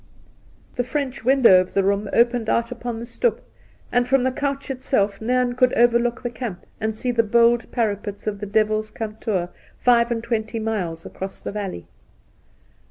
The French window of the room opened out upon the stoep, and from the couch itself Nairn could overlook the camp and see the bold parapets of the Devil's Kantoor five and twenty miles across the valley.